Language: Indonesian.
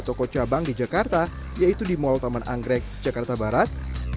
toko cabang di jakarta yaitu di mall taman anggrek jakarta barat